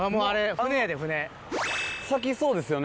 先そうですよね。